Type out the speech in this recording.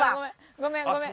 ごめんごめん。